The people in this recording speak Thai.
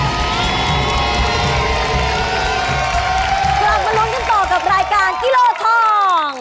กลับมาลุ้นกันต่อกับรายการกิโลทอง